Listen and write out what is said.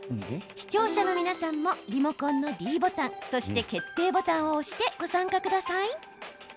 視聴者の皆さんもリモコンのｄボタンを押してご参加ください。